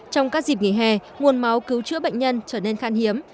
trong các dịp nghỉ hè nguồn máu cứu chữa bệnh nhân trở nên khan hiếm